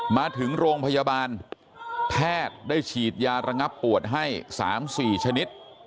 มาถึงโรงพยาบาลแพทย์ได้ฉีดยาระงับปวดให้๓๔ชนิด